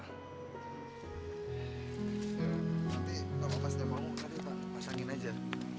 nanti bapak pasti mau nanti pak pasangin aja